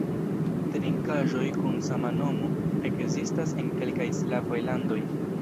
Trinkaĵoj kun sama nomo ekzistas en kelkaj slavaj landoj.